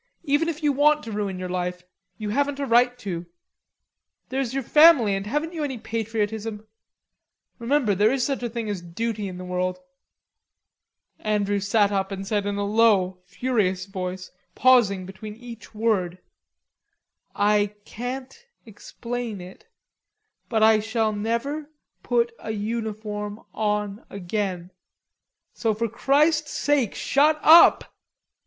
Even if you want to ruin your life, you haven't a right to. There's your family, and haven't you any patriotism?... Remember, there is such a thing as duty in the world." Andrews sat up and said in a low, furious voice, pausing between each word: "I can't explain it.... But I shall never put a uniform on again.... So for Christ's sake shut up."